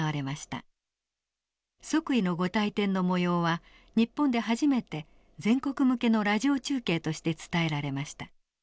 即位の御大典のもようは日本で初めて全国向けのラジオ中継として伝えられました。